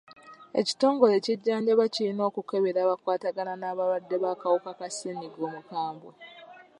Ekitongole ekijjanjabi kirina okukebera abakwatagana n'abalwadde b'akawuka ka ssenyiga omukambwe.